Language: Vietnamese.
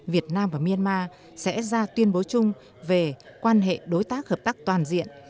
việt nam và myanmar sẽ ra tuyên bố chung về quan hệ đối tác hợp tác toàn diện